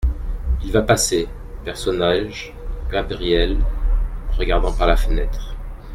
Il va passer. {{personnage|GAB RIELLE.|c}} regardant par la fenêtre.